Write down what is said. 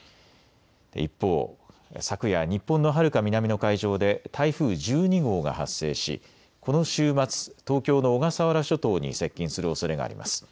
一方、昨夜、日本のはるか南の海上で台風１２号が発生しこの週末、東京の小笠原諸島に接近するおそれがあります。